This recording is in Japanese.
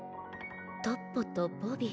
トッポとボビー。